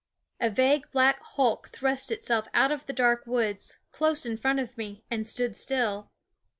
A vague black hulk thrust itself out of the dark woods, close in front of me, and stood still.